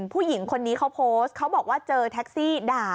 ผู้หญิงคนนี้เขาโพสต์เขาบอกว่าเจอแท็กซี่ด่า